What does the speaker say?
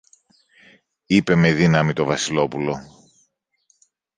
είπε με δύναμη το Βασιλόπουλο.